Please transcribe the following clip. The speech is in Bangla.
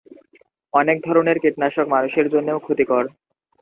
অনেক ধরনের কীটনাশক মানুষের জন্যেও ক্ষতিকর।